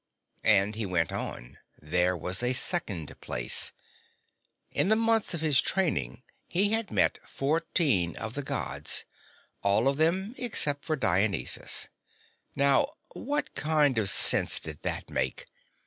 And, he went on, there was a second place. In the months of his training he had met fourteen of the Gods all of them, except for Dionysus. Now, what kind of sense did that make?